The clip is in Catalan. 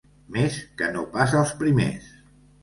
Més que no pas els primers.